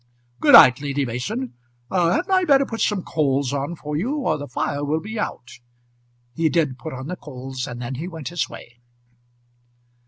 "Good night, Lady Mason. Hadn't I better put some coals on for you, or the fire will be out?" He did put on the coals, and then he went his way.